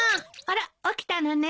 あら起きたのね。